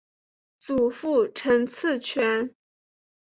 祖父陈赐全。